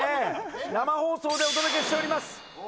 生放送でお届けしております。